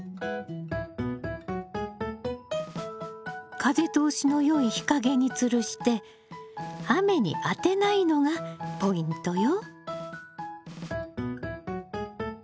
風通しのよい日陰につるして雨に当てないのがポイントよ。